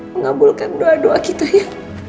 mengabulkan doa doa kita ya